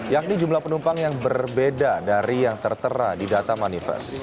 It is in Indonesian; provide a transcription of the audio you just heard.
yakni jumlah penumpang yang berbeda dari yang tertera di data manifest